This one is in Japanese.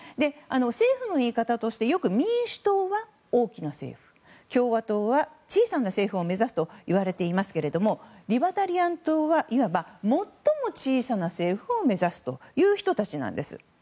政府の言い方としてよく民主党は大きな政府共和党は小さな政府を目指すといわれていますけれどもリバタリアン党はいわば最も小さな政府を目指すという人たちなんです。